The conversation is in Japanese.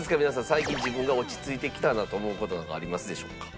最近自分が落ち着いてきたなと思う事とかありますでしょうか？